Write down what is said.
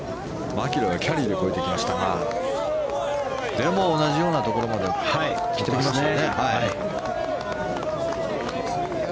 マキロイはキャリーで越えてきましたがでも、同じようなところまで来ましたね。